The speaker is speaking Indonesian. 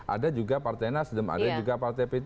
ada juga partai nasdem ada juga partai p tiga